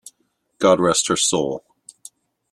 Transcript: God rest her soul!